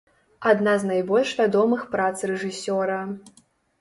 Адна з найбольш вядомых прац рэжысёра.